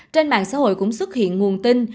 trên mạng xã hội cũng xuất hiện nguồn tin